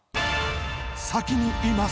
先に言います。